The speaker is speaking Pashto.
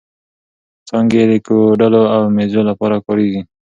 څانګې یې د کوډلو او مېزو لپاره کارېږي.